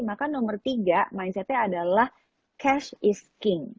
maka nomor tiga mindsetnya adalah cash is king